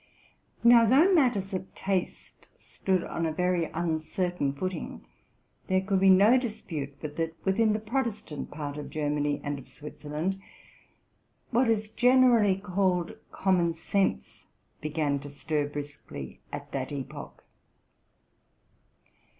Now, though matters of taste stood on a very uncertain footing, there could be no dispute but that, within the Prot estant part of Germany and of Switzerland, what is gen erally called common sense began to stir briskly at that epoch.